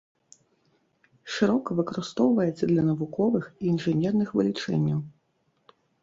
Шырока выкарыстоўваецца для навуковых і інжынерных вылічэнняў.